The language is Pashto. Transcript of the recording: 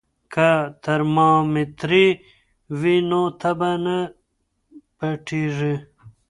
که ترمامیتر وي نو تبه نه پټیږي.